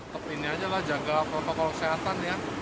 tetap ini aja lah jaga protokol kesehatan ya